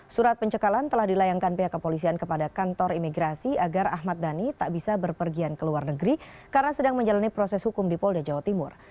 surat pencekalan telah dilayangkan pihak kepolisian kepada kantor imigrasi agar ahmad dhani tak bisa berpergian ke luar negeri karena sedang menjalani proses hukum di polda jawa timur